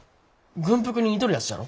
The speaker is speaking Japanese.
軍服に似とるやつじゃろ。